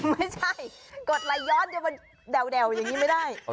ไม่ใช่กดไลค์ย้อนเดี๋ยวมันแดวอย่างนี้ไม่ได้